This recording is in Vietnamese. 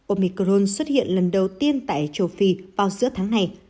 omicron xuất hiện lần đầu tiên tại châu phi vào giữa tháng này